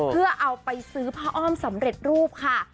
เพื่อเอาไปซื้อผ้าอ้อมสำเร็จรูปค่ะ